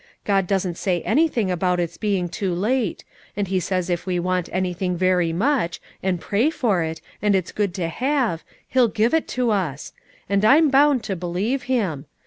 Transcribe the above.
God doesn't say anything about it's being too late; and He says if we want anything very much, and pray for it, and it's good to have, He'll give it to us; and I'm bound to believe Him.